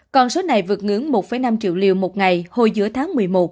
còn số này vượt ngưỡng một năm triệu liều một ngày hồi giữa tháng một mươi một